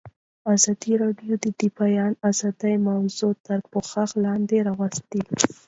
ازادي راډیو د د بیان آزادي موضوع تر پوښښ لاندې راوستې.